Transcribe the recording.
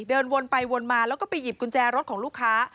เดินวนไปวนมาแล้วก็ไปหยิบกุญแจรถของลูกค้า